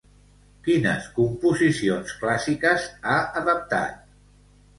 Quines composicions clàssiques ha adaptat?